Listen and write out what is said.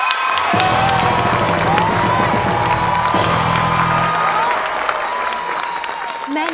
จริง